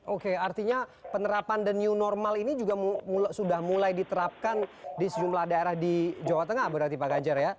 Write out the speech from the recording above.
oke artinya penerapan the new normal ini juga sudah mulai diterapkan di sejumlah daerah di jawa tengah berarti pak ganjar ya